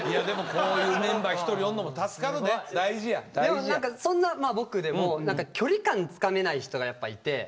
でもそんな僕でも距離感つかめない人がやっぱいて